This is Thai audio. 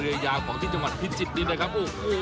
เรืองายของข้าเจองวันพิชสิกอีนก็ครับ